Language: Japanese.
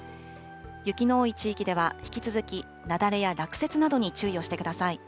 雪の多い地域では、引き続き、雪崩や落雪などに注意をしてください。